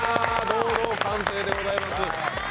堂々完成でございます。